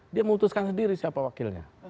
dia memutuskan sendiri siapa wakilnya